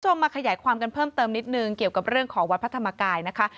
มาขยายความกันเพิ่มเติมนิดนึงเกี่ยวกับเรื่องของวัดพระธรรมกายนะคะ